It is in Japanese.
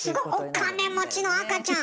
お金持ちの赤ちゃん！